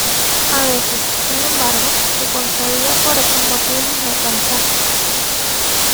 A veces, sin embargo, se concedía por otros motivos no tan prácticos.